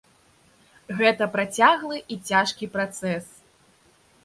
Гэта працяглы і цяжкі працэс.